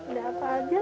ada apa aja